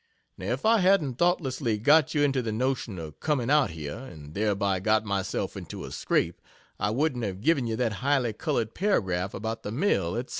Now, if I hadn't thoughtlessly got you into the notion of coming out here, and thereby got myself into a scrape, I wouldn't have given you that highly colored paragraph about the mill, etc.